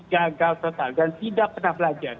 gagal total dan tidak pernah belajar